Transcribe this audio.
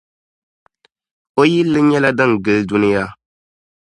O yilli nyɛla din gili duniya.